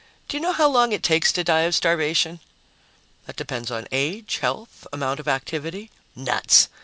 "Do you know how long it takes to die of starvation?" "That depends on age, health, amount of activity " "Nuts!"